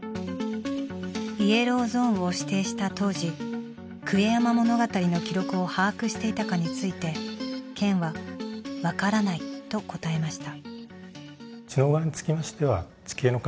イエローゾーンを指定した当時『壊山物語』の記録を把握していたかについて県は「わからない」と答えました。